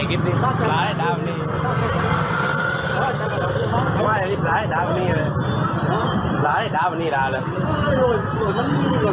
คลิปพระรูกวัดของวัดขนะชั่นตังบนทับเที่ยม